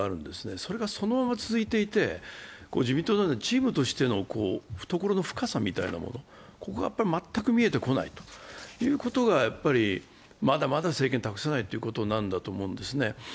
それがそのまま続いていて、自民党のようにチームとしての懐の深さみたいなものが、全く見えてこないということがまだまだ政権を託せないということなんだと思うんですね。